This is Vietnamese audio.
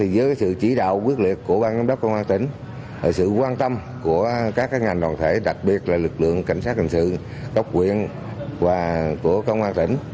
với sự chỉ đạo quyết liệt của bang giám đốc công an tỉnh sự quan tâm của các ngành đoàn thể đặc biệt là lực lượng cảnh sát hình sự độc quyền và của công an tỉnh